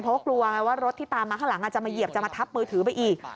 เพราะกลัวไงว่ารถที่ตามมาข้างหลังอาจจะมาเหยียบจะมาทับมือถือไปอีก